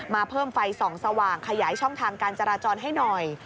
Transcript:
เพิ่มไฟส่องสว่างขยายช่องทางการจราจรให้หน่อย